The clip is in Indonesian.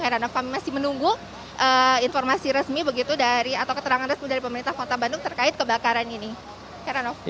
heranov kami masih menunggu informasi resmi begitu dari atau keterangan resmi dari pemerintah kota bandung terkait kebakaran ini